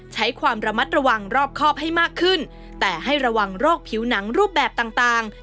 ใช้ความระมัดระวังรอบครอบให้มากขึ้นแต่ให้ระวังโรคผิวหนังรูปแบบต่างต่าง